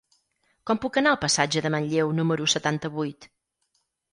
Com puc anar al passatge de Manlleu número setanta-vuit?